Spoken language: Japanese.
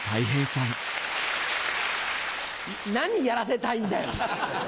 何やらせたいんだよ？